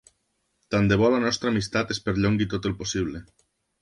Tant de bo la nostra amistat es perllongui tot el possible.